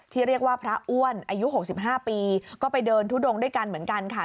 ที่เรียกว่าพระอ้วนอายุ๖๕ปีก็ไปเดินทุดงด้วยกันเหมือนกันค่ะ